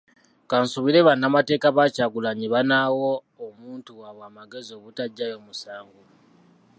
Kansuubire bannamateeka ba Kyagulanyi banaawa omuntu waabwe amagezi obutaggyayo musango.